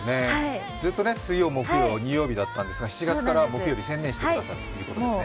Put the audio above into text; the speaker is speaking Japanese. ずっと水曜、木曜２曜日だったんですが７月から木曜日に専念してくださるということですね。